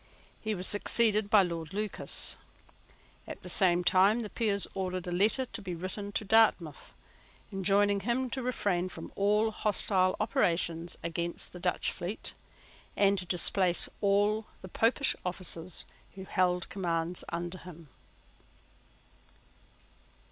He was succeeded by Lord Lucas. At the same time the Peers ordered a letter to be written to Dartmouth, enjoining him to refrain from all hostile operations against the Dutch fleet, and to displace all the Popish officers who held commands under him.